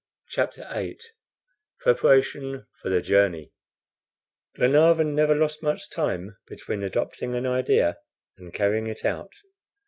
CHAPTER VIII PREPARATION FOR THE JOURNEY GLENARVAN never lost much time between adopting an idea and carrying it out.